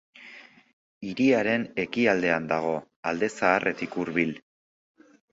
Hiriaren ekialdean dago, Alde Zaharretik hurbil.